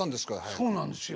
そうなんですよ。